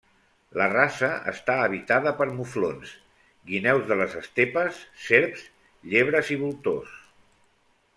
La rasa està habitada per muflons, Guineus de les estepes, serps, llebres i voltors.